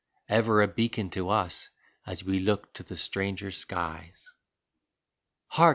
Ever a beacon to us as we looked to the stranger skies. Hark!